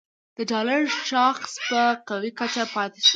د ډالر شاخص په قوي کچه پاتې شو